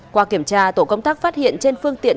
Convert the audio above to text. qua kiểm tra tổ công tác phát hiện trên phương tiện